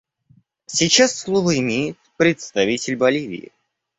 Сейчас слово имеет представитель Боливии.